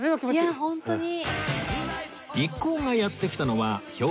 いやホントに！